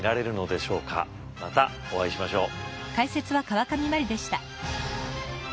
またお会いしましょう。